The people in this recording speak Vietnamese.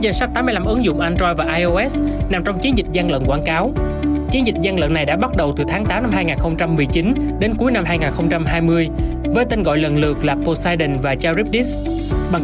ví dụ như trong các lĩnh vực về kinh tế như các hợp đồng thông minh